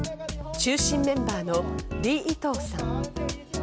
中心メンバーのリ・イトウさん。